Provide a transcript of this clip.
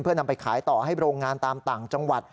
เพื่อนำไปขายต่อให้โรงงานตามต่างจังหวัด